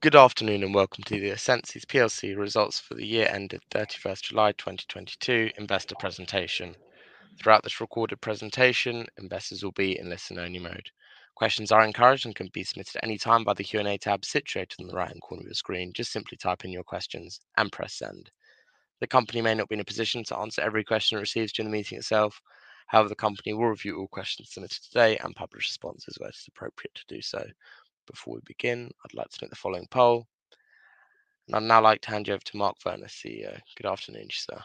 Good afternoon and welcome to the essensys plc results for the year end of 31 July 2022 investor presentation. Throughout this recorded presentation, investors will be in listen-only mode. Questions are encouraged and can be submitted at any time by the Q&A tab situated in the right-hand corner of the screen. Just simply type in your questions and press send. The company may not be in a position to answer every question it receives during the meeting itself. However, the company will review all questions submitted today and publish responses where it's appropriate to do so. Before we begin, I'd like to make the following poll. I'd now like to hand you over to Mark Furness, CEO. Good afternoon, sir.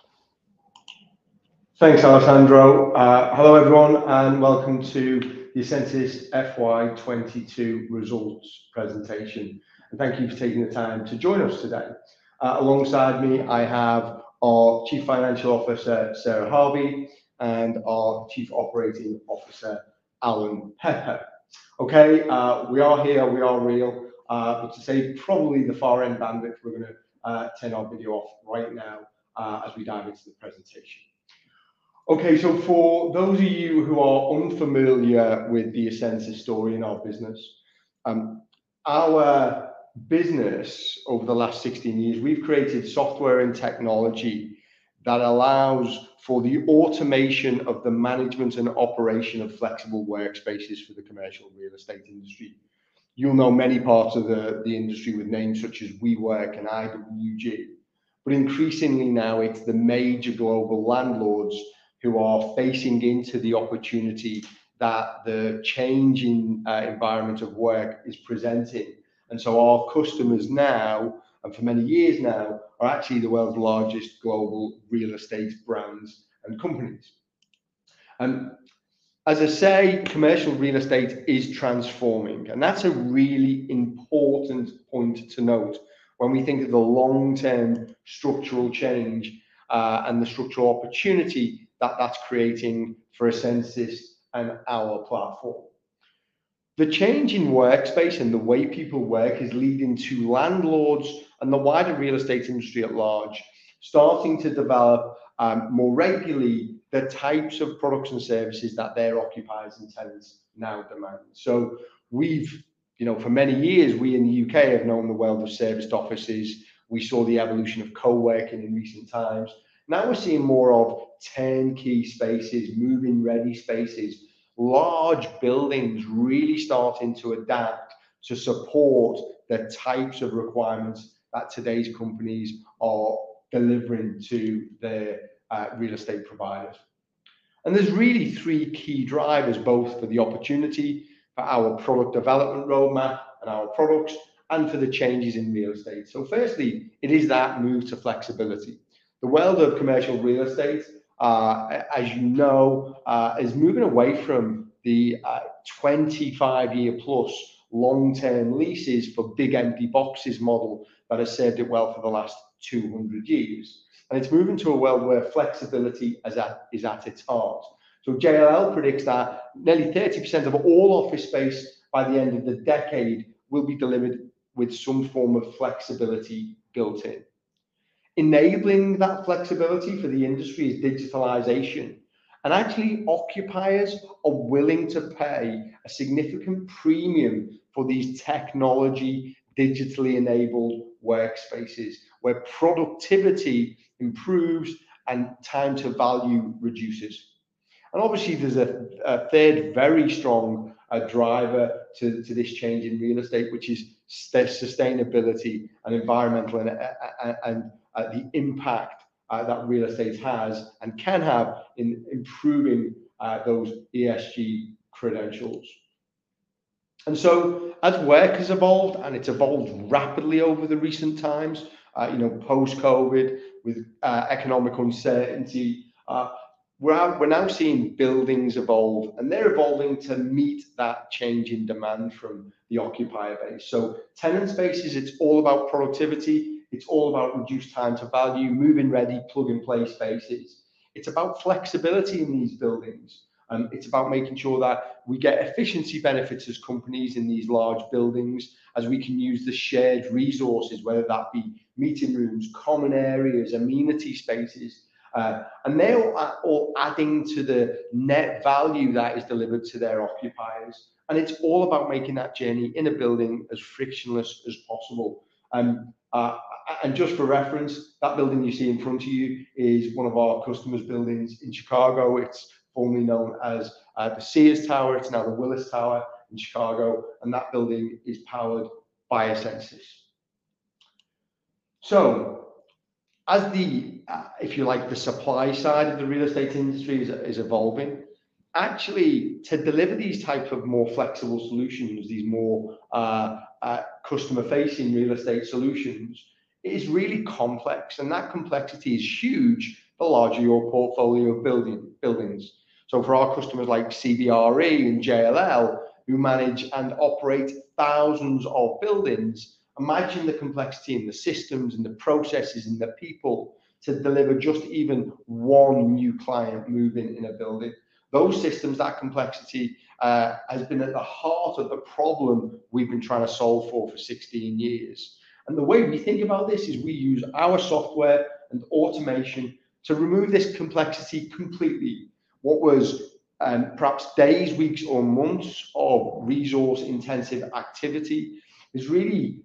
Thanks, Alessandro. Hello everyone, and welcome to the essensys FY 2022 results presentation. Thank you for taking the time to join us today. Alongside me, I have our CFO, Sarah Harvey, and our COO, Alan Pepper. We are here, we are real, but to save probably the far end bandwidth, we're gonna turn our video off right now as we dive into the presentation. For those of you who are unfamiliar with the essensys story and our business over the last 16 years, we've created software and technology that allows for the automation of the management and operation of flexible workspaces for the commercial real estate industry. You'll know many parts of the industry with names such as WeWork and IWG. Increasingly now it's the major global landlords who are facing into the opportunity that the changing environment of work is presenting. Our customers now, and for many years now, are actually the world's largest global real estate brands and companies. As I say, commercial real estate is transforming, and that's a really important point to note when we think of the long-term structural change and the structural opportunity that that's creating for essensys and our platform. The change in workspace and the way people work is leading to landlords and the wider real estate industry at large starting to develop more regularly the types of products and services that their occupiers and tenants now demand. We've, you know, for many years, we in the U.K. have known the world of serviced offices. We saw the evolution of coworking in recent times. Now we're seeing more of turnkey spaces, move-in ready spaces, large buildings really starting to adapt to support the types of requirements that today's companies are delivering to their real estate providers. There's really three key drivers, both for the opportunity for our product development roadmap and our products, and for the changes in real estate. Firstly, it is that move to flexibility. The world of commercial real estate, as you know, is moving away from the 25-year plus long-term leases for big empty boxes model that has served it well for the last 200 years. It's moving to a world where flexibility is at its heart. JLL predicts that nearly 30% of all office space by the end of the decade will be delivered with some form of flexibility built in. Enabling that flexibility for the industry is digitalization, and actually occupiers are willing to pay a significant premium for these technologically digitally enabled workspaces where productivity improves and time to value reduces. Obviously, there's a third very strong driver to this change in real estate, which is sustainability and environmental and the impact that real estate has and can have in improving those ESG credentials. As work has evolved, and it's evolved rapidly over the recent times, you know, post-COVID, with economic uncertainty, we're now seeing buildings evolve, and they're evolving to meet that change in demand from the occupier base. Tenant spaces, it's all about productivity. It's all about reduced time to value, move-in ready, plug-and-play spaces. It's about flexibility in these buildings, and it's about making sure that we get efficiency benefits as companies in these large buildings as we can use the shared resources, whether that be meeting rooms, common areas, amenity spaces, and they're all adding to the net value that is delivered to their occupiers. It's all about making that journey in a building as frictionless as possible. Just for reference, that building you see in front of you is one of our customers' buildings in Chicago. It's formerly known as the Sears Tower. It's now the Willis Tower in Chicago, and that building is powered by essensys. As the, if you like, the supply side of the real estate industry is evolving, actually to deliver these type of more flexible solutions, these more customer-facing real estate solutions, it is really complex, and that complexity is huge the larger your portfolio of buildings. For our customers like CBRE and JLL, who manage and operate thousands of buildings, imagine the complexity and the systems and the processes and the people to deliver just even one new client move-in in a building. Those systems, that complexity, has been at the heart of the problem we've been trying to solve for 16 years. The way we think about this is we use our software and automation to remove this complexity completely. What was perhaps days, weeks, or months of resource-intensive activity has really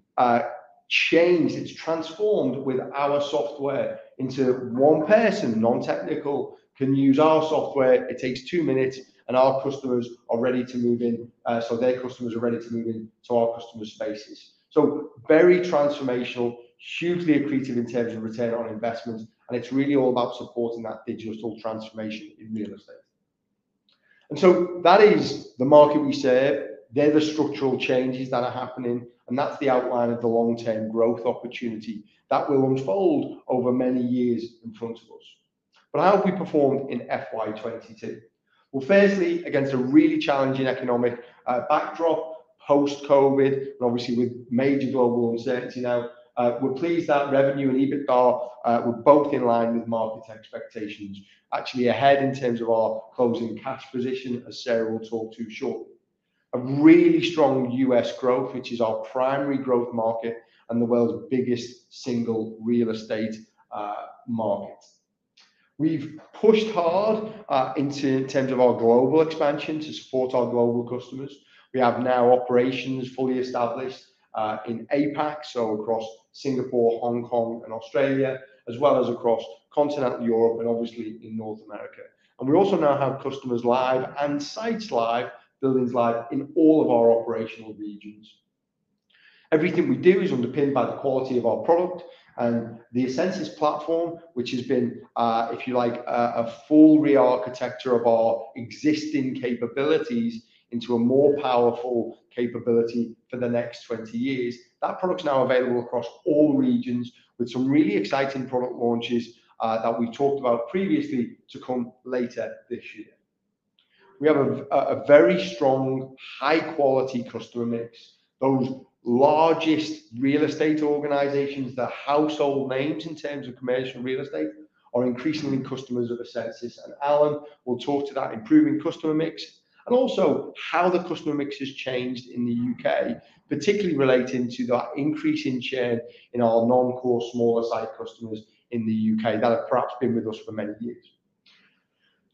changed. It's transformed with our software into one person, non-technical, can use our software. It takes 2 minutes, and our customers are ready to move in, so their customers are ready to move in to our customers' spaces. Very transformational, hugely accretive in terms of return on investment, and it's really all about supporting that digital transformation in real estate. That is the market we serve. They're the structural changes that are happening, and that's the outline of the long-term growth opportunity that will unfold over many years in front of us. How have we performed in FY 2022? Well, firstly, against a really challenging economic backdrop post-COVID, and obviously with major global uncertainty now, we're pleased that revenue and EBITDA were both in line with market expectations. Actually ahead in terms of our closing cash position, as Sarah will talk to shortly. A really strong U.S. growth, which is our primary growth market and the world's biggest single real estate market. We've pushed hard into terms of our global expansion to support our global customers. We have now operations fully established in APAC, so across Singapore, Hong Kong, and Australia, as well as across continental Europe and obviously in North America. We also now have customers live and sites live, buildings live in all of our operational regions. Everything we do is underpinned by the quality of our product and the essensys platform, which has been, if you like, a full rearchitecture of our existing capabilities into a more powerful capability for the next 20 years. That product's now available across all regions with some really exciting product launches that we talked about previously to come later this year. We have a very strong, high-quality customer mix. Those largest real estate organizations, the household names in terms of commercial real estate, are increasingly customers of essensys, and Alan will talk to that improving customer mix and also how the customer mix has changed in the UK, particularly relating to that increase in churn in our non-core smaller site customers in the UK that have perhaps been with us for many years.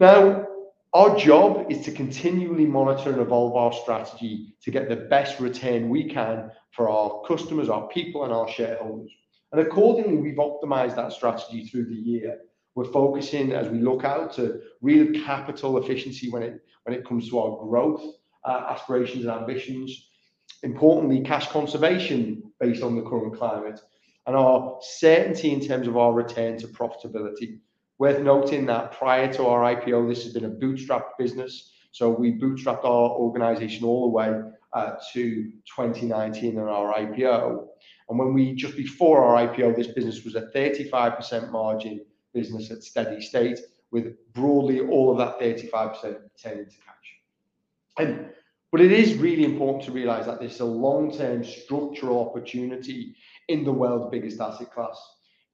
Now, our job is to continually monitor and evolve our strategy to get the best return we can for our customers, our people, and our shareholders. Accordingly, we've optimized that strategy through the year. We're focusing as we look out to real capital efficiency when it comes to our growth, aspirations and ambitions. Importantly, cash conservation based on the current climate and our certainty in terms of our return to profitability. Worth noting that prior to our IPO, this has been a bootstrap business, so we bootstrapped our organization all the way to 2019 and our IPO. Just before our IPO, this business was a 35% margin business at steady state, with broadly all of that 35% turning to cash. It is really important to realize that this is a long-term structural opportunity in the world's biggest asset class.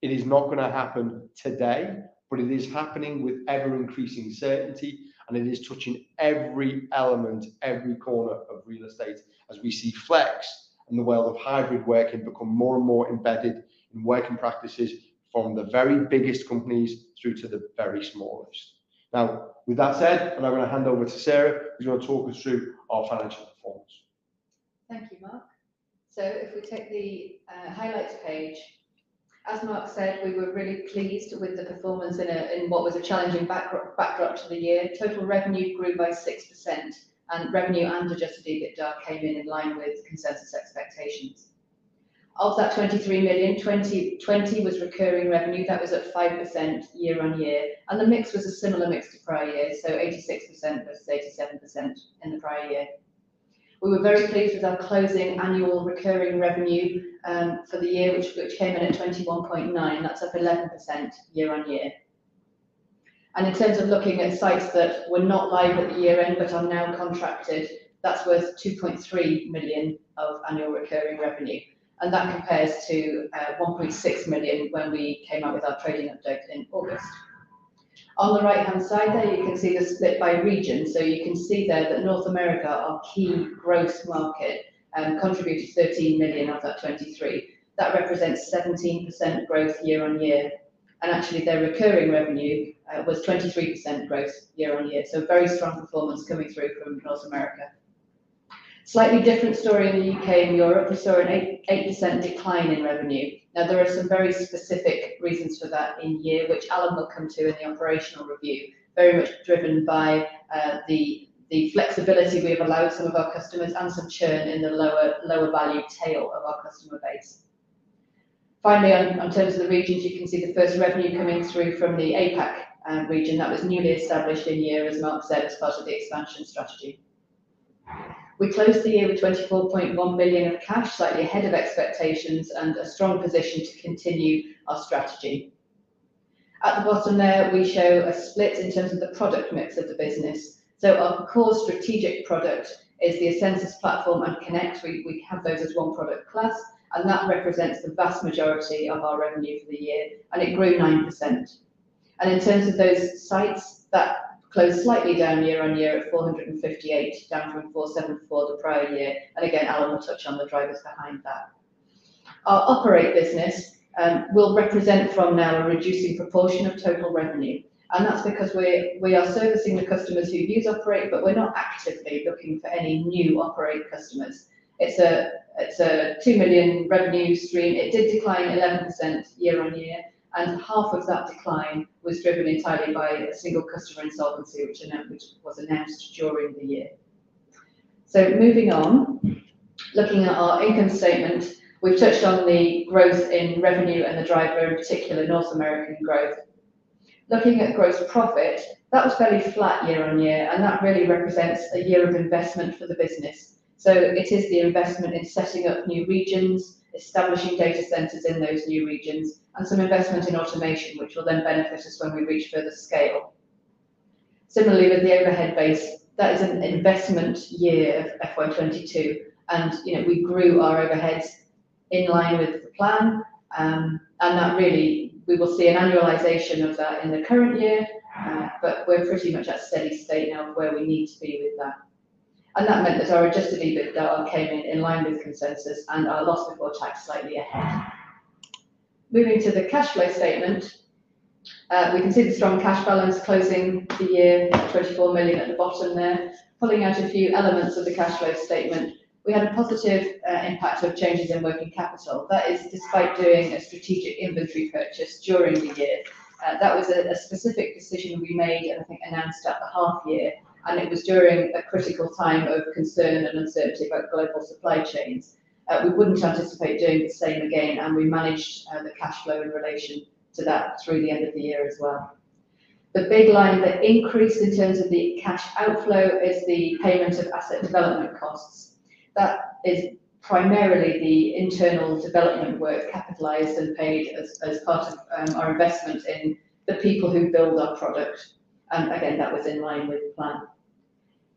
It is not gonna happen today, but it is happening with ever-increasing certainty, and it is touching every element, every corner of real estate as we see flex and the world of hybrid working become more and more embedded in working practices from the very biggest companies through to the very smallest. Now, with that said, I'm now gonna hand over to Sarah, who's gonna talk us through our financial performance. Thank you, Mark. If we take the highlights page, as Mark said, we were really pleased with the performance in what was a challenging backdrop to the year. Total revenue grew by 6%, and revenue and adjusted EBITDA came in line with consensus expectations. Of that 23 million, 20 million was recurring revenue. That was up 5% year-on-year, and the mix was a similar mix to prior years. 86% versus 87% in the prior year. We were very pleased with our closing annual recurring revenue for the year, which came in at 21.9 million. That's up 11% year-on-year. In terms of looking at sites that were not live at the year-end but are now contracted, that's worth 2.3 million of annual recurring revenue. That compares to 1.6 million when we came out with our trading update in August. On the right-hand side there, you can see the split by region. You can see there that North America, our key growth market, contributed 13 million of that 23 million. That represents 17% growth year-over-year. Actually, their recurring revenue was 23% growth year-over-year. Very strong performance coming through from North America. Slightly different story in the U.K. and Europe. We saw an 8% decline in revenue. There are some very specific reasons for that this year, which Alan will come to in the operational review, very much driven by the flexibility we have allowed some of our customers and some churn in the lower value tail of our customer base. Finally, on terms of the regions, you can see the first revenue coming through from the APAC region. That was newly established in the year, as Mark said, as part of the expansion strategy. We closed the year with 24.1 million of cash, slightly ahead of expectations, and a strong position to continue our strategy. At the bottom there, we show a split in terms of the product mix of the business. Our core strategic product is the essensys Platform and Connect. We have those as one product class, and that represents the vast majority of our revenue for the year, and it grew 9%. In terms of those sites, that closed slightly down year-on-year at 458, down from 474 the prior year. Again, Alan will touch on the drivers behind that. Our Operate business will represent from now a reducing proportion of total revenue, and that's because we are servicing the customers who use Operate, but we're not actively looking for any new Operate customers. It's a 2 million revenue stream. It did decline 11% year-on-year, and half of that decline was driven entirely by a single customer insolvency which was announced during the year. Moving on, looking at our income statement, we've touched on the growth in revenue and the driver, in particular North American growth. Looking at gross profit, that was fairly flat year-on-year, and that really represents a year of investment for the business. It is the investment in setting up new regions, establishing data centers in those new regions, and some investment in automation, which will then benefit us when we reach further scale. Similarly, with the overhead base, that is an investment year of FY 2022 and, you know, we grew our overheads in line with the plan, and that really we will see an annualization of that in the current year, but we're pretty much at steady state now of where we need to be with that. That meant that our adjusted EBITDA came in in line with consensus and our loss before tax slightly ahead. Moving to the cash flow statement, we can see the strong cash balance closing the year at 24 million at the bottom there. Pulling out a few elements of the cash flow statement, we had a positive impact of changes in working capital. That is despite doing a strategic inventory purchase during the year. That was a specific decision we made, and I think announced at the half year, and it was during a critical time of concern and uncertainty about global supply chains. We wouldn't anticipate doing the same again, and we managed the cash flow in relation to that through the end of the year as well. The big line that increased in terms of the cash outflow is the payment of asset development costs. That is primarily the internal development work capitalized and paid as part of our investment in the people who build our product, and again, that was in line with the plan.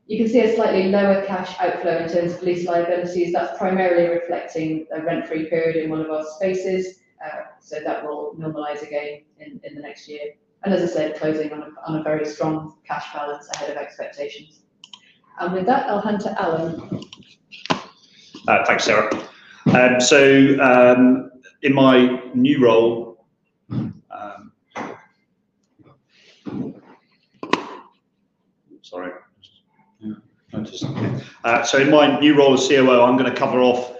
You can see a slightly lower cash outflow in terms of lease liabilities. That's primarily reflecting a rent-free period in one of our spaces, so that will normalize again in the next year. As I said, closing on a very strong cash balance ahead of expectations. With that, I'll hand to Alan. Thanks, Sarah. In my new role, sorry. Yeah. In my new role as COO, I'm gonna cover off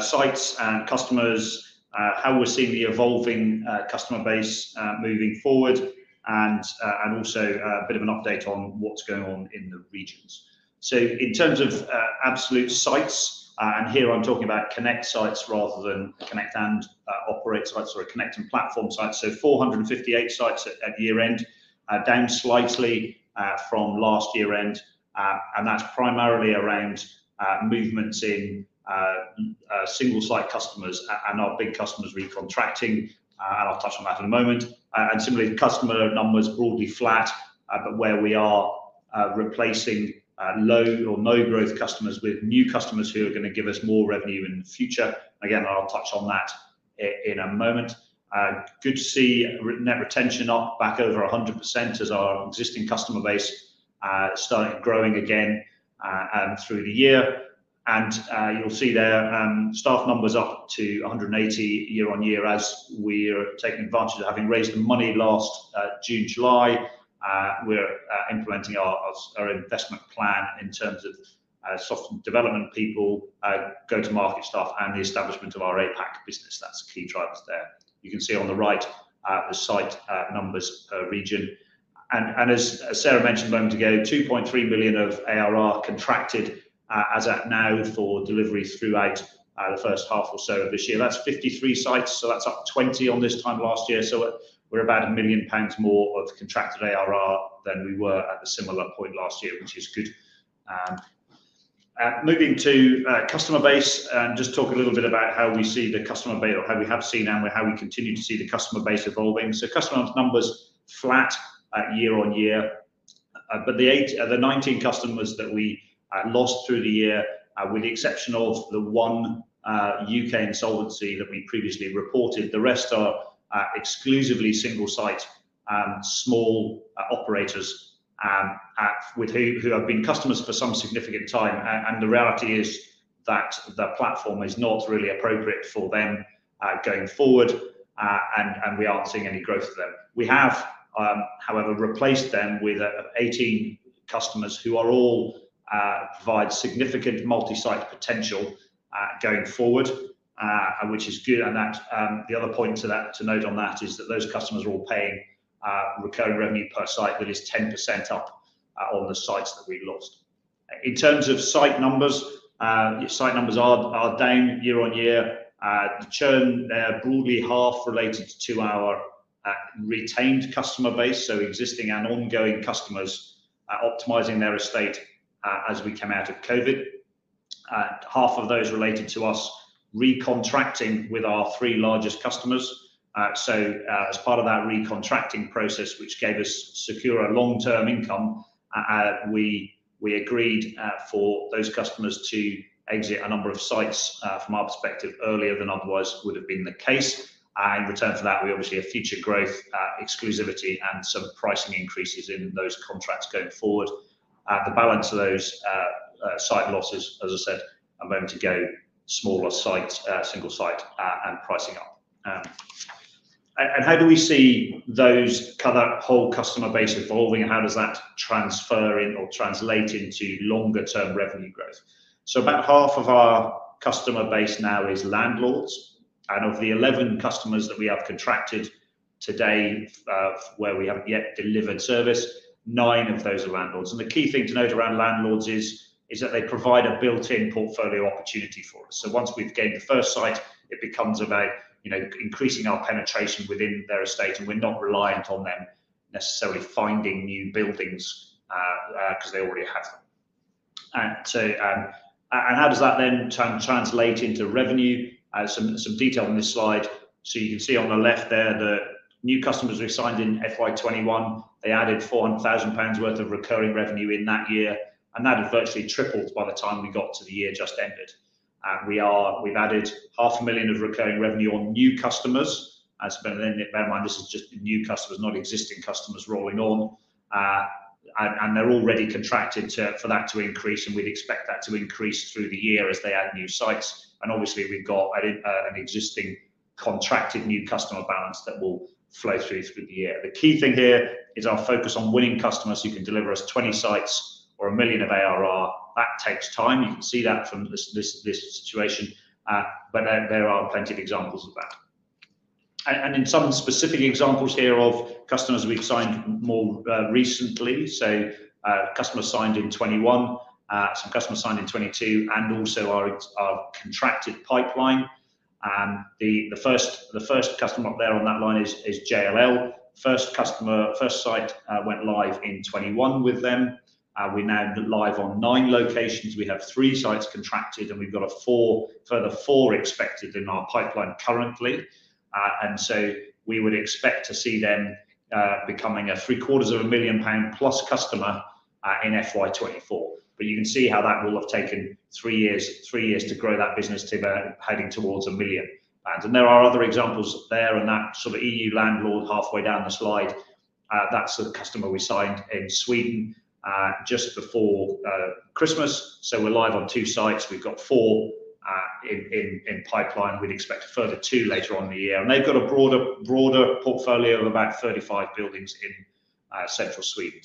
sites and customers, how we're seeing the evolving customer base moving forward and also a bit of an update on what's going on in the regions. In terms of absolute sites, and here I'm talking about Connect sites rather than Connect and Operate sites or Connect and Platform sites. 458 sites at year-end, down slightly from last year-end. That's primarily around movements in single site customers and our big customers recontracting, and I'll touch on that in a moment. Similarly, customer numbers broadly flat, but where we are replacing low or no growth customers with new customers who are gonna give us more revenue in the future. Again, I'll touch on that in a moment. Good to see net retention up back over 100% as our existing customer base started growing again through the year. You'll see there staff numbers up to 180 year-over-year as we're taking advantage of having raised the money last June, July. We're implementing our investment plan in terms of software development people, go-to-market staff, and the establishment of our APAC business. That's the key drivers there. You can see on the right the SaaS numbers per region. As Sarah mentioned a moment ago, 2.3 billion of ARR contracted as at now for delivery throughout the first half or so of this year. That's 53 sites, so that's up 20 on this time last year. We're about 1 million pounds more of contracted ARR than we were at a similar point last year, which is good. Moving to customer base and just talk a little bit about how we see the customer base or how we have seen and how we continue to see the customer base evolving. Customer numbers flat year-on-year. The 19 customers that we lost through the year, with the exception of the one U.K. insolvency that we previously reported, the rest are exclusively single site and small operators with who have been customers for some significant time. The reality is that the platform is not really appropriate for them going forward, and we aren't seeing any growth for them. We have, however, replaced them with 18 customers who all provide significant multi-site potential going forward, which is good. The other point to note on that is that those customers are all paying recurring revenue per site that is 10% up on the sites that we lost. In terms of site numbers, site numbers are down year-on-year. The churn there broadly half related to our retained customer base, so existing and ongoing customers optimizing their estate as we come out of COVID. Half of those related to us recontracting with our three largest customers. As part of that recontracting process, which gave us securer long-term income, we agreed for those customers to exit a number of sites, from our perspective, earlier than otherwise would have been the case. In return for that, we obviously have future growth, exclusivity and some pricing increases in those contracts going forward. The balance of those site losses, as I said a moment ago, smaller sites, single site and pricing up. How do we see that whole customer base evolving and how does that transfer in or translate into longer term revenue growth? About half of our customer base now is landlords, and of the 11 customers that we have contracted today, where we haven't yet delivered service, nine of those are landlords. The key thing to note around landlords is that they provide a built-in portfolio opportunity for us. Once we've gained the first site, it becomes about, you know, increasing our penetration within their estate, and we're not reliant on them necessarily finding new buildings, because they already have them. How does that then translate into revenue? Some detail on this slide. You can see on the left there, the new customers we've signed in FY 2021, they added 400,000 pounds worth of recurring revenue in that year, and that had virtually tripled by the time we got to the year just ended. We've added GBP half a million of recurring revenue on new customers, bear in mind this is just the new customers, not existing customers rolling on. They're already contracted for that to increase, and we'd expect that to increase through the year as they add new sites. Obviously we've got an existing contracted new customer balance that will flow through the year. The key thing here is our focus on winning customers who can deliver us 20 sites or 1 million of ARR. That takes time. You can see that from this situation, but there are plenty of examples of that. In some specific examples here of customers we've signed more recently. A customer signed in 2021, some customers signed in 2022, and also our contracted pipeline. The first customer up there on that line is JLL. First site went live in 2021 with them. We're now live on 9 locations. We have 3 sites contracted, and we've got a further 4 expected in our pipeline currently. We would expect to see them becoming a three-quarters of a 1 million pound plus customer in FY 2024. You can see how that will have taken 3 years to grow that business to heading towards 1 million. There are other examples there in that sort of EU landlord halfway down the slide. That's the customer we signed in Sweden just before Christmas. We're live on 2 sites. We've got 4 in pipeline. We'd expect a further 2 later on in the year. They've got a broader portfolio of about 35 buildings in central Sweden.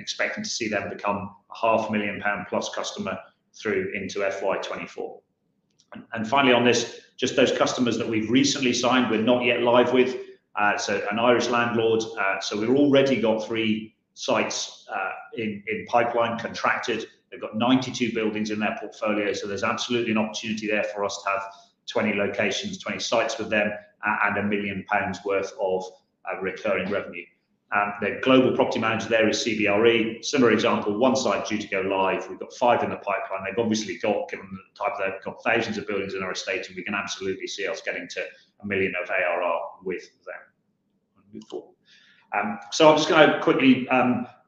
Expecting to see them become a half million GBP plus customer through into FY 2024. Finally on this, just those customers that we've recently signed, we're not yet live with. An Irish landlord. We've already got three sites in pipeline contracted. They've got 92 buildings in their portfolio, so there's absolutely an opportunity there for us to have 20 locations, 20 sites with them, and a 1 million pounds worth of recurring revenue. Their global property manager there is CBRE. Similar example, one site due to go live. We've got five in the pipeline. They've obviously got, given the type, they've got thousands of buildings in our estate, and we can absolutely see us getting to a 1 million of ARR with them going forward. I'm just going to quickly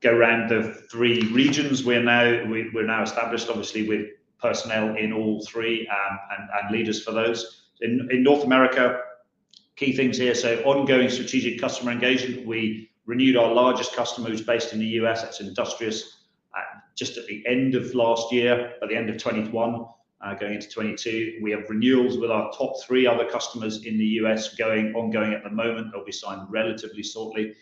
go around the three regions. We're now established obviously with personnel in all three, and leaders for those. In North America, key things here. Ongoing strategic customer engagement. We renewed our largest customer who's based in the US, that's Industrious, at the end of last year, at the end of 2021, going into 2022. We have renewals with our top three other customers in the US ongoing at the moment. They'll be signed relatively shortly.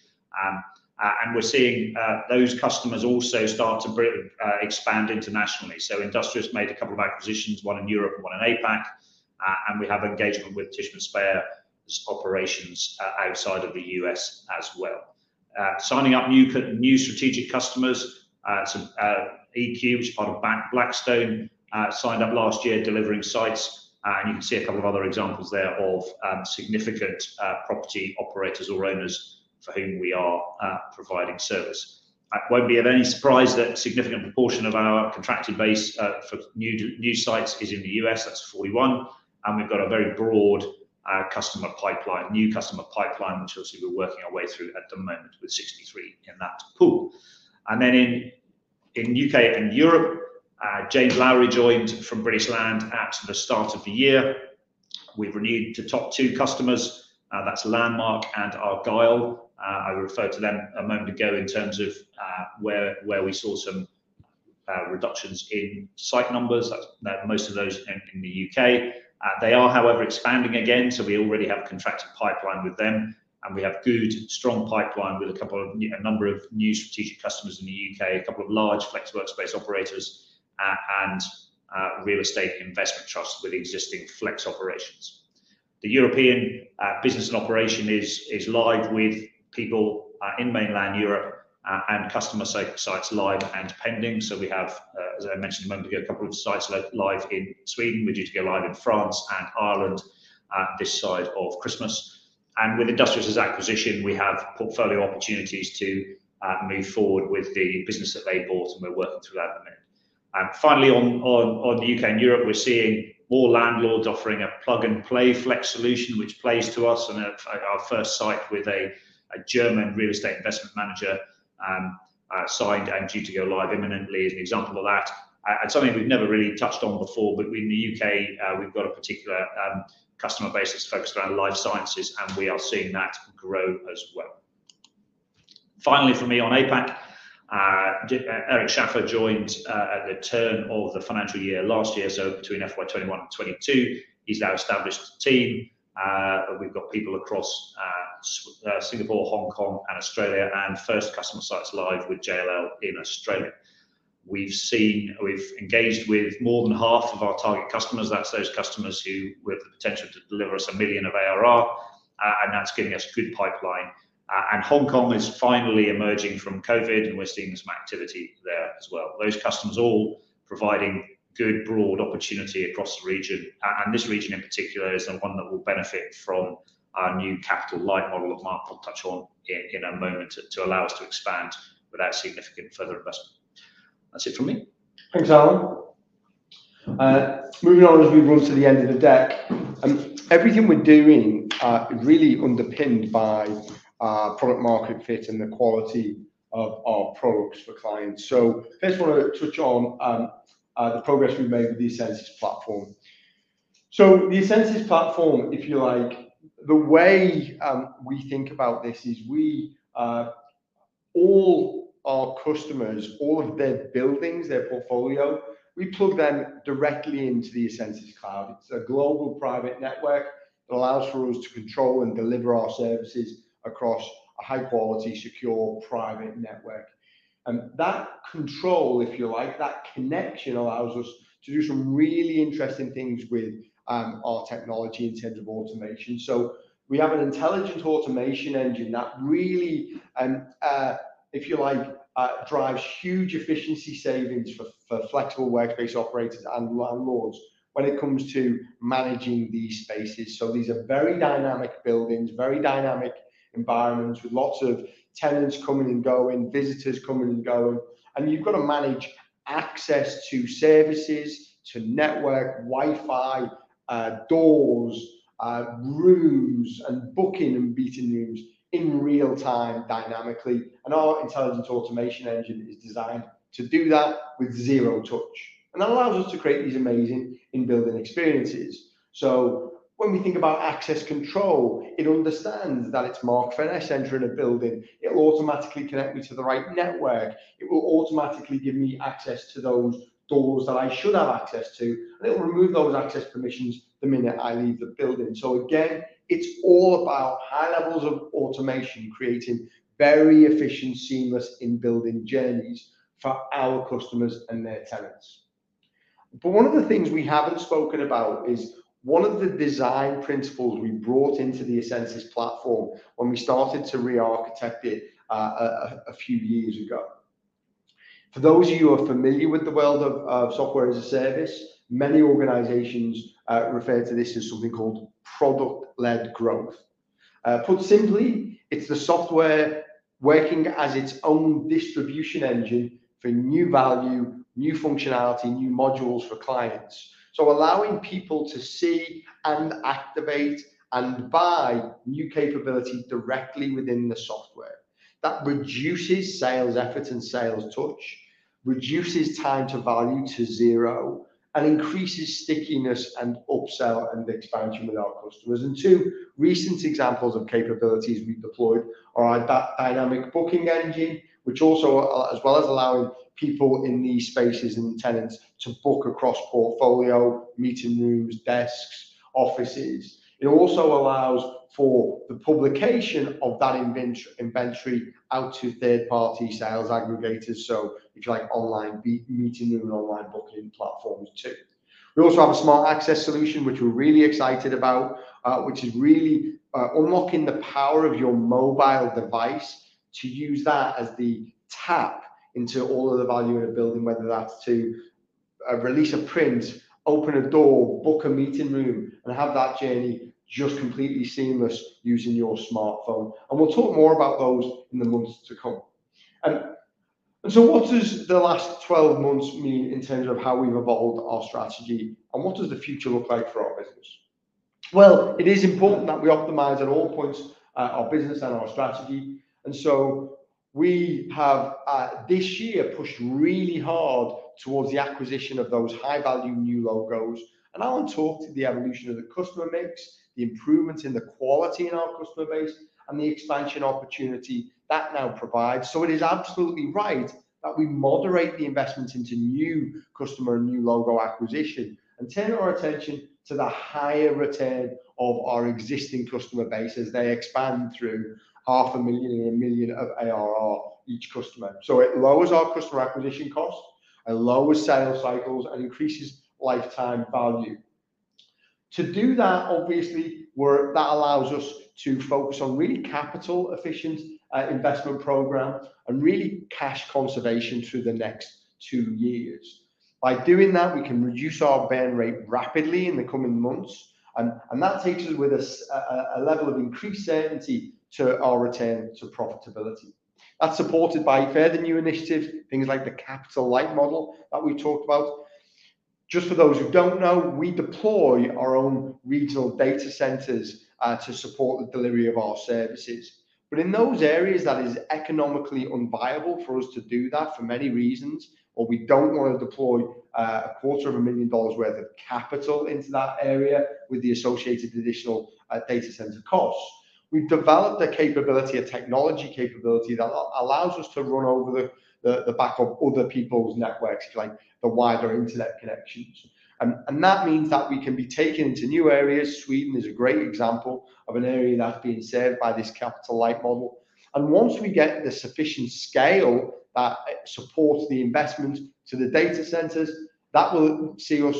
We're seeing those customers also start to expand internationally. Industrious made a couple of acquisitions, one in Europe and one in APAC. We have engagement with Tishman Speyer's operations outside of the US as well. Signing up new strategic customers. EQ, which is part of Blackstone, signed up last year delivering sites. You can see a couple of other examples there of significant property operators or owners for whom we are providing service. It won't be of any surprise that a significant proportion of our contracted base for new sites is in the U.S., that's 41. We've got a very broad customer pipeline, new customer pipeline, which obviously we're working our way through at the moment with 63 in that pool. Then in U.K. and Europe, James Lowery joined from British Land at the start of the year. We've renewed the top two customers, that's Landmark and Argyll. I referred to them a moment ago in terms of where we saw some reductions in site numbers. That's most of those in the U.K. They are, however, expanding again, so we already have a contracted pipeline with them. We have good strong pipeline with a couple of a number of new strategic customers in the UK, a couple of large flex workspace operators, and real estate investment trusts with existing flex operations. The European business and operation is live with people in mainland Europe, and customer sites live and pending. We have, as I mentioned a moment ago, a couple of sites live in Sweden. We're due to go live in France and Ireland at this side of Christmas. With Industrious' acquisition, we have portfolio opportunities to move forward with the business that they bought, and we're working through that at the minute. Finally, on the U.K. and Europe, we're seeing more landlords offering a plug-and-play flex solution, which plays to us and our first site with a German real estate investment manager signed and due to go live imminently as an example of that. Something we've never really touched on before, but in the U.K., we've got a particular customer base that's focused around life sciences, and we are seeing that grow as well. Finally from me on APAC, Eric Schaffer joined at the turn of the financial year last year, so between FY 2021 and 2022. He's now established a team and we've got people across Singapore, Hong Kong, and Australia, and first customer sites live with JLL in Australia. We've engaged with more than half of our target customers. That's those customers who, with the potential to deliver us 1 million of ARR, and that's giving us good pipeline. Hong Kong is finally emerging from COVID, and we're seeing some activity there as well. Those customers all providing good broad opportunity across the region. This region in particular is the one that will benefit from our new capital-light model that Mark will touch on in a moment to allow us to expand without significant further investment. That's it from me. Thanks, Alan. Moving on as we run to the end of the deck. Everything we're doing are really underpinned by our product market fit and the quality of our products for clients. First wanna touch on the progress we've made with the essensys Platform. The essensys Platform, if you like, the way we think about this is we all our customers, all of their buildings, their portfolio, we plug them directly into the essensys Cloud. It's a global private network that allows for us to control and deliver our services across a high-quality, secure, private network. That control, if you like, that connection allows us to do some really interesting things with our technology in terms of automation. We have an intelligent automation engine that really, if you like, drives huge efficiency savings for flexible workspace operators and landlords when it comes to managing these spaces. These are very dynamic buildings, very dynamic environments with lots of tenants coming and going, visitors coming and going. You've got to manage access to services, to network, Wi-Fi, doors, rooms, and booking and meeting rooms in real-time dynamically. Our intelligent automation engine is designed to do that with zero touch, and that allows us to create these amazing in-building experiences. When we think about access control, it understands that it's Mark Furness entering a building. It'll automatically connect me to the right network. It will automatically give me access to those doors that I should have access to, and it will remove those access permissions the minute I leave the building. Again, it's all about high levels of automation, creating very efficient, seamless in-building journeys for our customers and their tenants. One of the things we haven't spoken about is one of the design principles we brought into the essensys Platform when we started to re-architect it a few years ago. For those of you who are familiar with the world of software as a service, many organizations refer to this as something called product-led growth. Put simply, it's the software working as its own distribution engine for new value, new functionality, new modules for clients. Allowing people to see and activate and buy new capability directly within the software. That reduces sales effort and sales touch, reduces time to value to zero, and increases stickiness and upsell and expansion with our customers. Two recent examples of capabilities we deployed are our dynamic booking engine, which also as well as allowing people in these spaces and tenants to book across portfolio, meeting rooms, desks, offices. It also allows for the publication of that inventory out to third-party sales aggregators. If you like online meeting room and online booking platforms too. We also have a Smart Access solution, which we're really excited about, which is really unlocking the power of your mobile device to use that as the tap into all of the value in a building, whether that's to release a print, open a door, book a meeting room, and have that journey just completely seamless using your smartphone. We'll talk more about those in the months to come. What does the last 12 months mean in terms of how we've evolved our strategy, and what does the future look like for our business? Well, it is important that we optimize at all points, our business and our strategy, and so we have, this year pushed really hard towards the acquisition of those high-value new logos. Alan talked to the evolution of the customer mix, the improvements in the quality in our customer base, and the expansion opportunity that now provides. It is absolutely right that we moderate the investment into new customer and new logo acquisition and turn our attention to the higher return of our existing customer base as they expand through GBP half a million and 1 million of ARR each customer. It lowers our customer acquisition cost and lowers sales cycles and increases lifetime value. To do that, obviously that allows us to focus on really capital efficient investment program and really cash conservation through the next two years. By doing that, we can reduce our burn rate rapidly in the coming months, that takes us with a level of increased certainty to our return to profitability. That's supported by further new initiatives, things like the capital-light model that we talked about. Just for those who don't know, we deploy our own regional data centers to support the delivery of our services. In those areas that is economically unviable for us to do that for many reasons, or we don't wanna deploy a quarter of a million dollars worth of capital into that area with the associated additional data center costs. We've developed a capability, a technology capability that allows us to run over the back of other people's networks, like the wider internet connections. That means that we can be taken into new areas. Sweden is a great example of an area that's being served by this capital-light model. Once we get the sufficient scale that supports the investment to the data centers, that will see us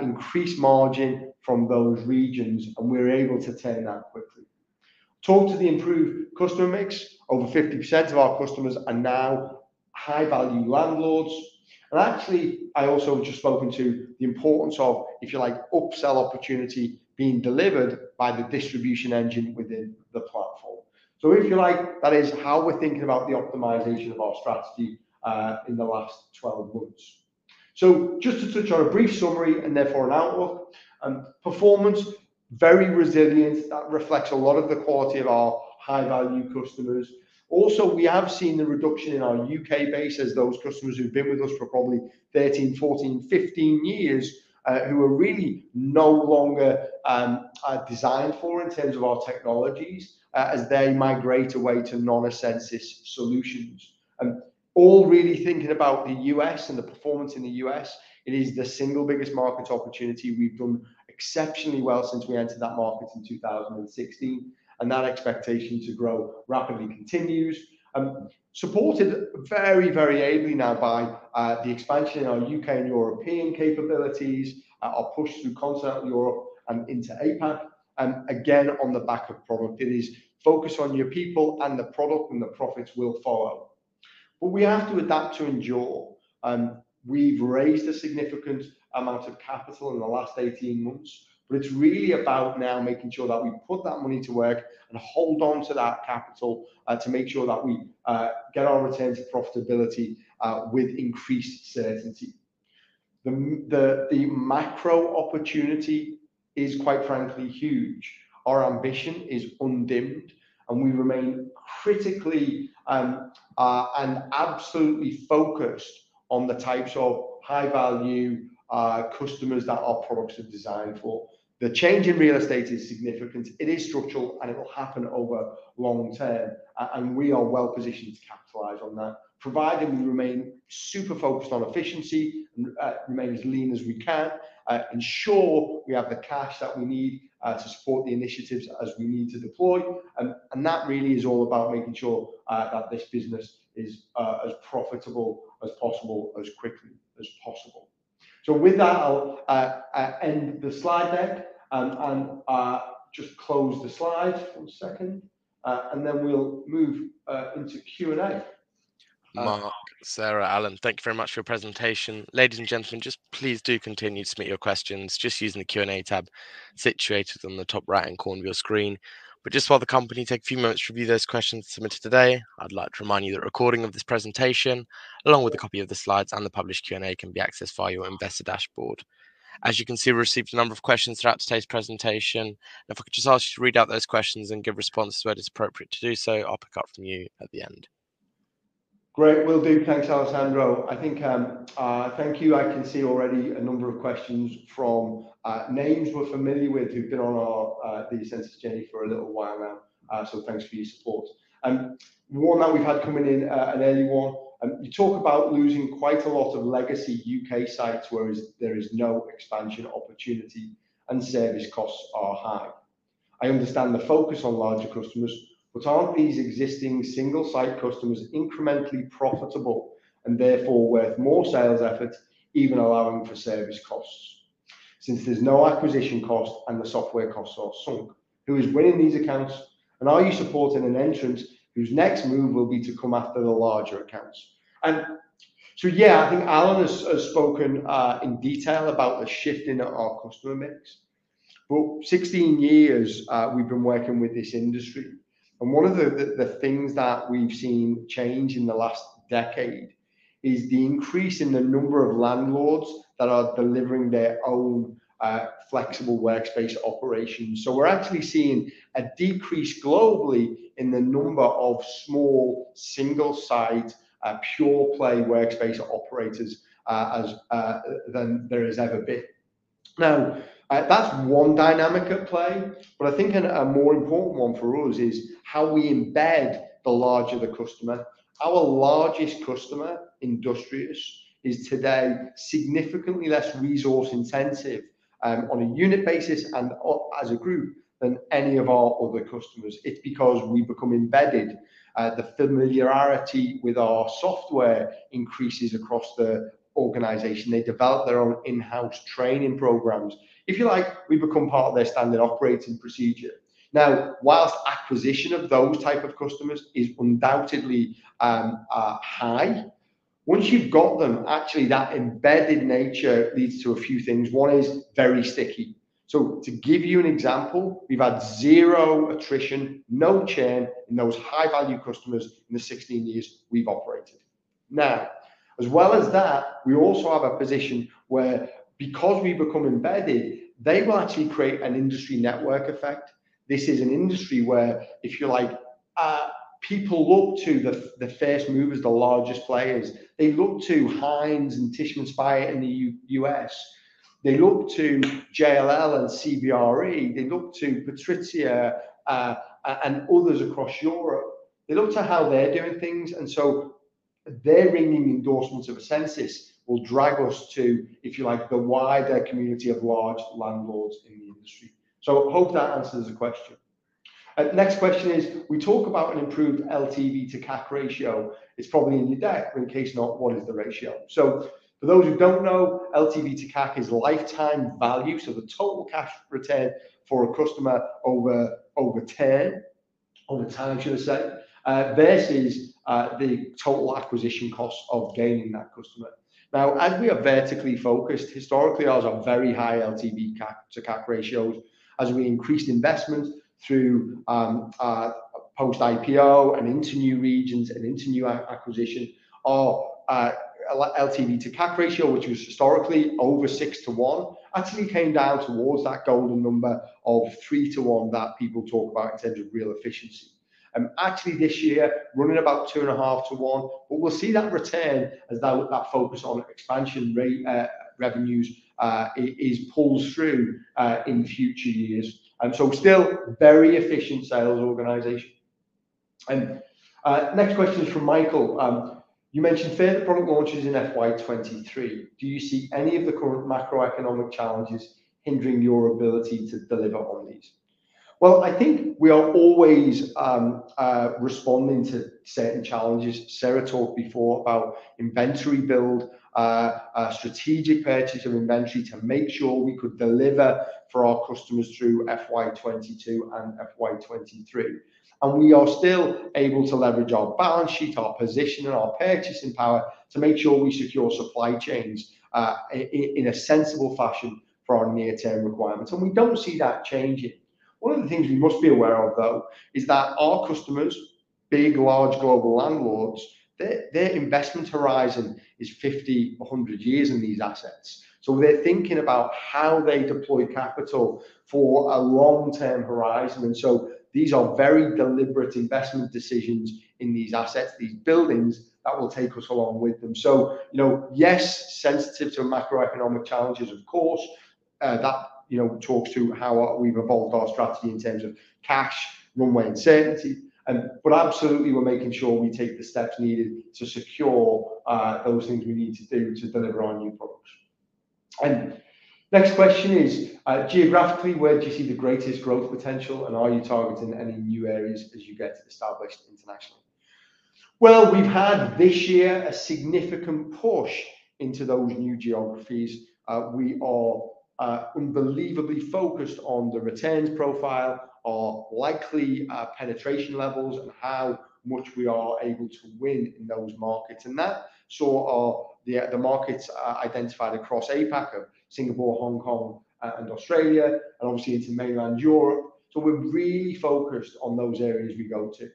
increase margin from those regions, and we're able to turn that quickly. Talk to the improved customer mix. Over 50% of our customers are now high-value landlords. Actually, I also just spoken to the importance of, if you like, upsell opportunity being delivered by the distribution engine within the platform. If you like, that is how we're thinking about the optimization of our strategy in the last 12 months. Just to touch on a brief summary and therefore an outlook. Performance, very resilient. That reflects a lot of the quality of our high-value customers. Also, we have seen the reduction in our U.K. base as those customers who've been with us for probably 13, 14, 15 years, who are really no longer designed for in terms of our technologies, as they migrate away to non-essensys solutions. All really thinking about the U.S. and the performance in the U.S., it is the single biggest market opportunity. We've done exceptionally well since we entered that market in 2016, and that expectation to grow rapidly continues. Supported very, very ably now by the expansion in our UK and European capabilities, our push through Continental Europe and into APAC, again, on the back of profitability. Focus on your people and the product, and the profits will follow. We have to adapt to endure. We've raised a significant amount of capital in the last 18 months, but it's really about now making sure that we put that money to work and hold on to that capital to make sure that we get our return to profitability with increased certainty. The macro opportunity is, quite frankly, huge. Our ambition is undimmed, and we remain critically and absolutely focused on the types of high-value customers that our products are designed for. The change in real estate is significant. It is structural, and it will happen over the long term. We are well-positioned to capitalize on that, provided we remain super focused on efficiency and remain as lean as we can. Ensure we have the cash that we need to support the initiatives as we need to deploy. That really is all about making sure that this business is as profitable as possible, as quickly as possible. With that, I'll end the slide deck. Just close the slide. One second, and then we'll move into Q&A. Mark, Sarah, Alan, thank you very much for your presentation. Ladies and gentlemen, just please do continue to submit your questions just using the Q&A tab situated on the top right-hand corner of your screen. Just while the company take a few moments to review those questions submitted today, I'd like to remind you that a recording of this presentation, along with a copy of the slides and the published Q&A, can be accessed via your investor dashboard. As you can see, we received a number of questions throughout today's presentation, and if I could just ask you to read out those questions and give responses where it is appropriate to do so, I'll pick up from you at the end. Great. Will do. Thanks, Alessandro. I think thank you. I can see already a number of questions from names we're familiar with who've been on our essensys journey for a little while now. Thanks for your support. One that we've had coming in, an early one. You talk about losing quite a lot of legacy UK sites, whereas there is no expansion opportunity and service costs are high. I understand the focus on larger customers, but aren't these existing single-site customers incrementally profitable and therefore worth more sales effort, even allowing for service costs? Since there's no acquisition cost and the software costs are sunk, who is winning these accounts? And are you supporting an entrant whose next move will be to come after the larger accounts? Yeah, I think Alan has spoken in detail about the shift in our customer mix. 16 years we've been working with this industry, and one of the things that we've seen change in the last decade is the increase in the number of landlords that are delivering their own flexible workspace operations. We're actually seeing a decrease globally in the number of small single-site pure play workspace operators less than there has ever been. That's one dynamic at play, but I think a more important one for us is how we embed in the larger customer. Our largest customer, Industrious, is today significantly less resource intensive on a unit basis and as a group than any of our other customers. It's because we've become embedded. The familiarity with our software increases across the organization. They develop their own in-house training programs. If you like, we become part of their standard operating procedure. While acquisition of those type of customers is undoubtedly high, once you've got them, actually that embedded nature leads to a few things. One is very sticky. To give you an example, we've had zero attrition, no churn in those high-value customers in the 16 years we've operated. Now, as well as that, we also have a position where because we become embedded, they will actually create an industry network effect. This is an industry where if you like, people look to the first movers, the largest players. They look to Hines and Tishman Speyer in the U.S. They look to JLL and CBRE, they look to PATRIZIA and others across Europe. They look to how they're doing things, and so their ringing endorsement of essensys will drag us to, if you like, the wider community of large landlords in the industry. Hope that answers the question. Next question is, we talk about an improved LTV to CAC ratio. It's probably in your deck, but in case not, what is the ratio? For those who don't know, LTV to CAC is lifetime value, so the total cash retained for a customer over time, should I say, versus the total acquisition cost of gaining that customer. Now, as we are vertically focused, historically ours are very high LTV to CAC ratios. As we increased investment through post-IPO and into new regions and into new acquisition, our LTV to CAC ratio, which was historically over 6 to 1, actually came down towards that golden number of 3 to 1 that people talk about in terms of real efficiency. Actually this year, running about 2.5 to 1, but we'll see that return as that focus on expansion revenues is pulled through in future years. Still very efficient sales organization. Next question is from Michael. You mentioned further product launches in FY 2023. Do you see any of the current macroeconomic challenges hindering your ability to deliver on these? Well, I think we are always responding to certain challenges. Sarah talked before about inventory build, strategic purchase of inventory to make sure we could deliver for our customers through FY 2022 and FY 2023. We are still able to leverage our balance sheet, our position, and our purchasing power to make sure we secure supply chains in a sensible fashion for our near-term requirements, and we don't see that changing. One of the things we must be aware of, though, is that our customers, big, large global landlords, their investment horizon is 50, 100 years in these assets. They're thinking about how they deploy capital for a long-term horizon. These are very deliberate investment decisions in these assets, these buildings that will take us along with them. You know, yes, sensitive to macroeconomic challenges of course. That, you know, talks to how we've evolved our strategy in terms of cash, runway and certainty. But absolutely we're making sure we take the steps needed to secure those things we need to do to deliver our new products. Next question is, geographically, where do you see the greatest growth potential, and are you targeting any new areas as you get established internationally? Well, we've had this year a significant push into those new geographies. We are unbelievably focused on the returns profile, our likely penetration levels and how much we are able to win in those markets. That saw the markets identified across APAC, Singapore, Hong Kong, and Australia and obviously into mainland Europe. We're really focused on those areas we go to.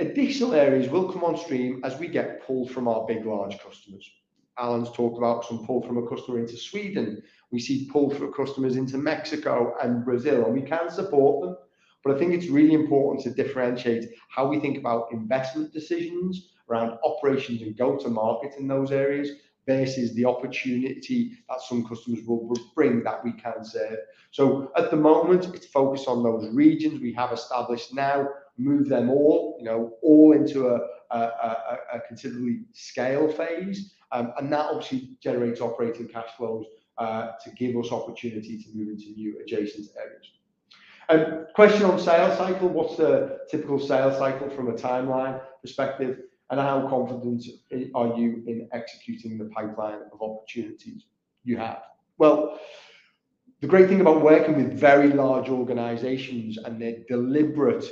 Additional areas will come on stream as we get pull from our big, large customers. Alan's talked about some pull from a customer into Sweden. We see pull from customers into Mexico and Brazil, and we can support them. I think it's really important to differentiate how we think about investment decisions around operations and go to market in those areas versus the opportunity that some customers will bring that we can serve. At the moment, it's focused on those regions we have established now, move them all, you know, all into a considerable scale phase. That obviously generates operating cash flows to give us opportunity to move into new adjacent areas. Question on sales cycle. What's the typical sales cycle from a timeline perspective, and how confident are you in executing the pipeline of opportunities you have? Well, the great thing about working with very large organizations and their deliberate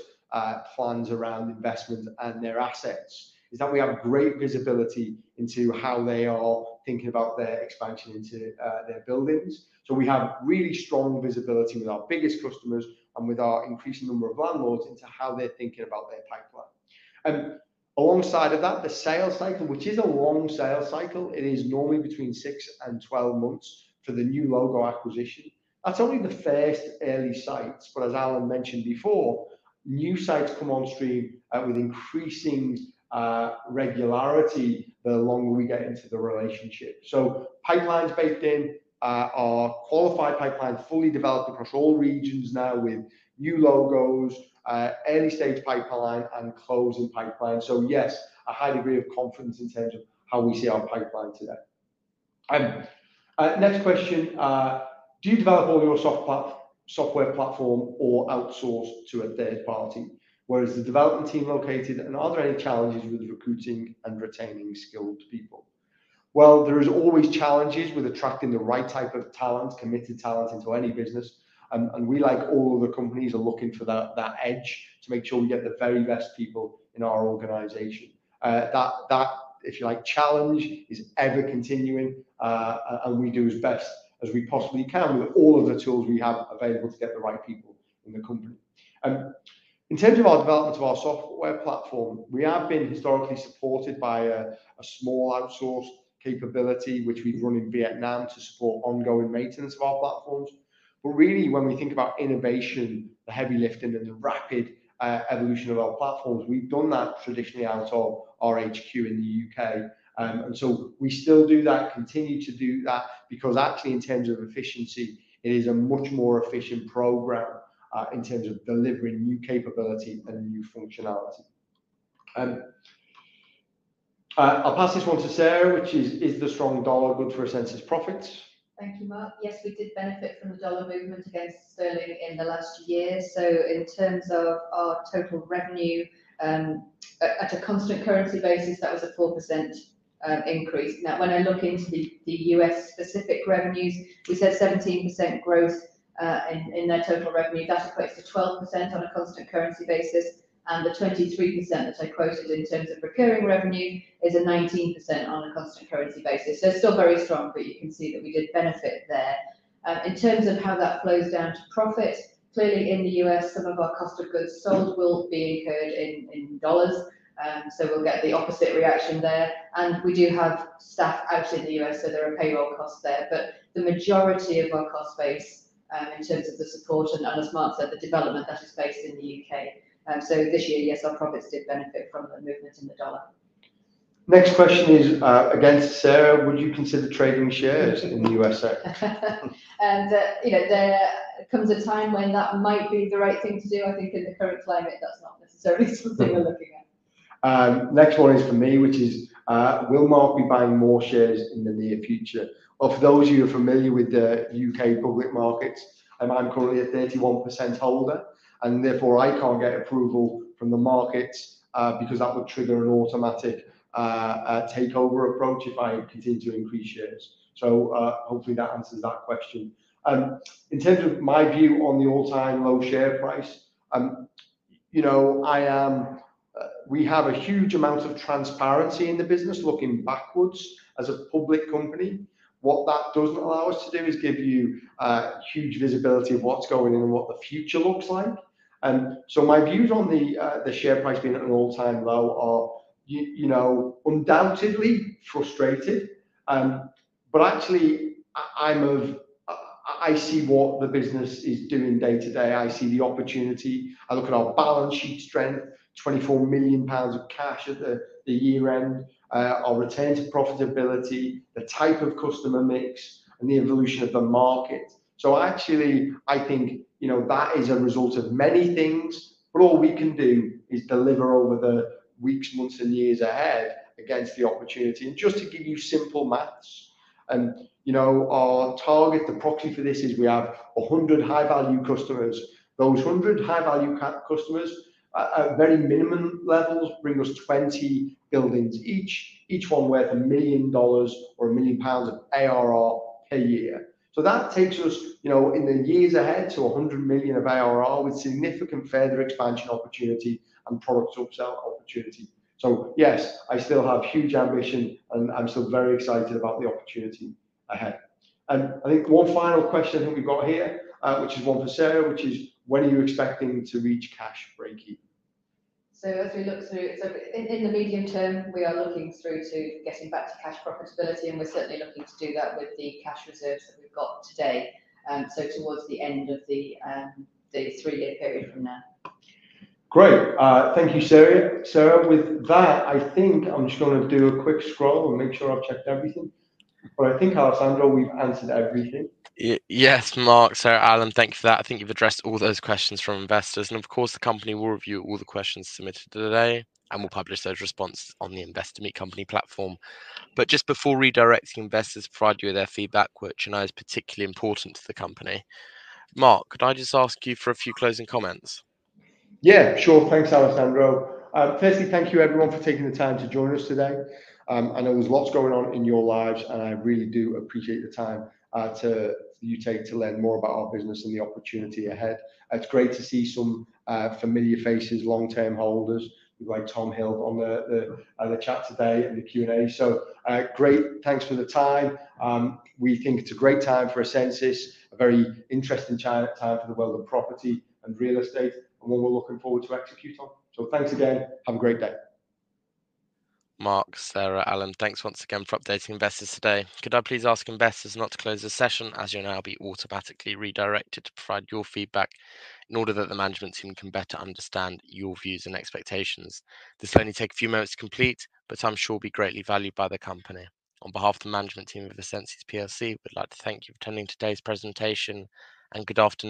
plans around investment and their assets is that we have great visibility into how they are thinking about their expansion into their buildings. We have really strong visibility with our biggest customers and with our increasing number of landlords into how they're thinking about their pipeline. Alongside of that, the sales cycle, which is a long sales cycle, it is normally between 6 and 12 months for the new logo acquisition. That's only the first early sites, but as Alan mentioned before, new sites come on stream with increasing regularity the longer we get into the relationship. Pipelines baked in, our qualified pipeline fully developed across all regions now with new logos, early-stage pipeline and closing pipeline. Yes, a high degree of confidence in terms of how we see our pipeline today. Next question. Do you develop all your software platform or outsource to a third party? Where is the development team located, and are there any challenges with recruiting and retaining skilled people? Well, there is always challenges with attracting the right type of talent, committed talent into any business. We, like all other companies, are looking for that edge to make sure we get the very best people in our organization. That, if you like, challenge is ever continuing, and we do as best as we possibly can with all of the tools we have available to get the right people in the company. In terms of our development of our software platform, we have been historically supported by a small outsourced capability, which we run in Vietnam to support ongoing maintenance of our platforms. Really when we think about innovation, the heavy lifting, and the rapid evolution of our platforms, we've done that traditionally out of our HQ in the U.K. We still do that, continue to do that because actually in terms of efficiency, it is a much more efficient program in terms of delivering new capability and new functionality. I'll pass this one to Sarah, which is: Is the strong dollar good for essensys profits? Thank you, Mark. Yes, we did benefit from the dollar movement against sterling in the last year. In terms of our total revenue, at a constant currency basis, that was a 4% increase. Now, when I look into the U.S. specific revenues, we said 17% growth in their total revenue. That equates to 12% on a constant currency basis, and the 23% that I quoted in terms of recurring revenue is a 19% on a constant currency basis. Still very strong, but you can see that we did benefit there. In terms of how that flows down to profit, clearly in the U.S. some of our cost of goods sold will be incurred in dollars. We'll get the opposite reaction there. We do have staff out in the U.S., so there are payroll costs there. The majority of our cost base, in terms of the support and, as Mark said, the development that is based in the U.K. This year, yes, our profits did benefit from the movement in the dollar. Next question is, again to Sarah: Would you consider trading shares in the U.S. sector? You know, there comes a time when that might be the right thing to do. I think in the current climate that's not necessarily something we're looking at. Next one is for me, which is: Will Mark be buying more shares in the near future? Of those of you who are familiar with the U.K. public markets, I'm currently a 31% holder, and therefore I can't get approval from the markets, because that would trigger an automatic takeover approach if I continue to increase shares. Hopefully that answers that question. In terms of my view on the all-time low share price, you know, we have a huge amount of transparency in the business looking backwards as a public company. What that doesn't allow us to do is give you huge visibility of what's going on and what the future looks like. My views on the share price being at an all-time low are, you know, undoubtedly frustrated. Actually I see what the business is doing day to day. I see the opportunity. I look at our balance sheet strength, 24 million pounds of cash at the year-end, our return to profitability, the type of customer mix and the evolution of the market. Actually I think, you know, that is a result of many things, but all we can do is deliver over the weeks, months and years ahead against the opportunity. Just to give you simple math, you know, our target, the proxy for this is we have 100 high-value customers. Those 100 high-value customers at very minimum levels bring us 20 buildings each one worth $1 million or 1 million pounds of ARR per year. That takes us, you know, in the years ahead to 100 million of ARR with significant further expansion opportunity and product upsell opportunity. Yes, I still have huge ambition, and I'm still very excited about the opportunity ahead. I think one final question I think we've got here, which is one for Sarah, which is: When are you expecting to reach cash break-even? In the medium term, we are looking through to getting back to cash profitability, and we're certainly looking to do that with the cash reserves that we've got today. Towards the end of the three-year period from now. Great. Thank you, Sarah. With that, I think I'm just gonna do a quick scroll and make sure I've checked everything. I think, Alessandro, we've answered everything. Yes, Mark, Sarah, Alan, thank you for that. I think you've addressed all those questions from investors. Of course, the company will review all the questions submitted today and will publish those responses on the InvestorMeetCompany platform. Just before redirecting investors to provide you with their feedback, which I know is particularly important to the company, Mark, could I just ask you for a few closing comments? Yeah, sure. Thanks, Alessandro. Firstly, thank you everyone for taking the time to join us today. I know there's lots going on in your lives, and I really do appreciate the time you take to learn more about our business and the opportunity ahead. It's great to see some familiar faces, long-term holders, like Tom Hill on the chat today and the Q&A. Great. Thanks for the time. We think it's a great time for essensys, a very interesting time for the world of property and real estate and one we're looking forward to execute on. Thanks again. Have a great day. Mark, Sarah, Alan, thanks once again for updating investors today. Could I please ask investors not to close this session, as you'll now be automatically redirected to provide your feedback in order that the management team can better understand your views and expectations. This will only take a few moments to complete, but I'm sure will be greatly valued by the company. On behalf of the management team of essensys plc, we'd like to thank you for attending today's presentation, and good afternoon.